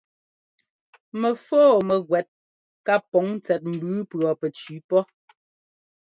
Mɛfɔ́ɔ mɛwɛ́t ká pɔŋ tsɛt mbʉʉ pʉɔpɛtsʉʉ pɔ́.